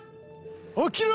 起きろ！”